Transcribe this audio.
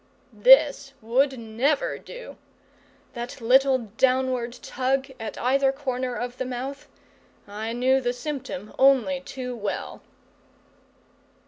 This would never do. That little downward tug at either corner of the mouth I knew the symptom only too well!